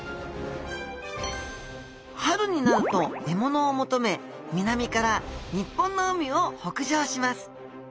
春になると獲物を求め南から日本の海を北上します。